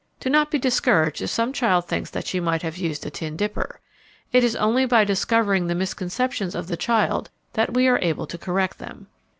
Do not be discouraged if some child thinks that she might have used a tin dipper. It is only by discovering the misconceptions of the child that we are able to correct them.